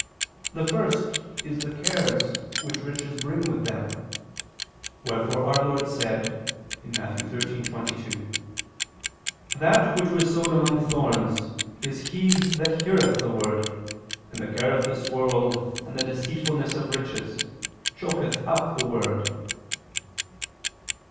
The first is the cares which riches bring with them; wherefore our Lord said (Matt. 13:22): "That which was sown [Vulg.: 'He that received the seed'] among thorns, is he that heareth the word, and the care of this world, and the deceitfulness of riches, choketh up the word."